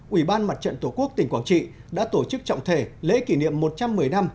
ủy ban mặt trận tổ quốc tỉnh quảng trị đã tổ chức trọng thể lễ kỷ niệm một trăm một mươi năm